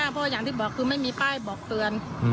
เพราะอย่างที่บอกคือไม่มีป้ายบอกเตือน